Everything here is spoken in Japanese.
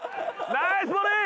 ナイスボレー！